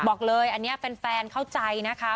บอกเลยอันนี้แฟนเข้าใจนะคะ